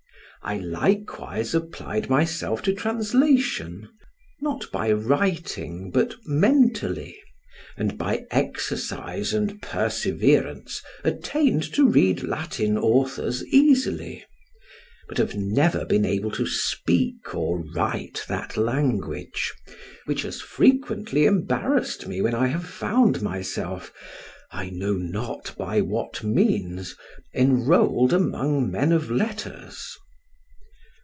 I likewise applied myself to translation, not by writing, but mentally, and by exercise and perseverance attained to read Latin authors easily, but have never been able to speak or write that language, which has frequently embarrassed me when I have found myself (I know not by what means) enrolled among men of letters.